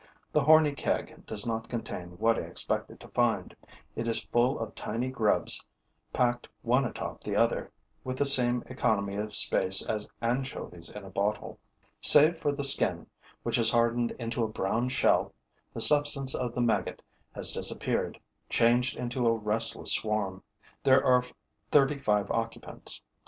The horny keg does not contain what I expected to find: it is full of tiny grubs packed one atop the other with the same economy of space as anchovies in a bottle. Save for the skin, which has hardened into a brown shell, the substance of the maggot has disappeared, changed into a restless swarm. There are thirty five occupants.